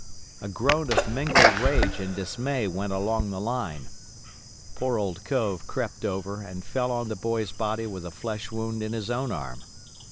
A groan of mingled rage and dismay went along the line. Poor old Cove crept over and fell on the boy's body with a flesh wound in his own arm.